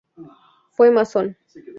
Fue masón.